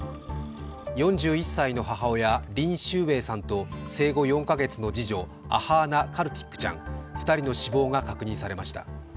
４１歳の母親リン・シューウエイさんと生後４か月の次女、アハーナ・カルティックちゃん、２人の死亡が確認されました。